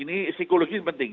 ini psikologi penting